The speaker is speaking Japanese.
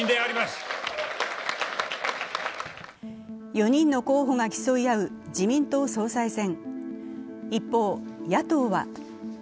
４人の候補が競い合う自民党総裁選。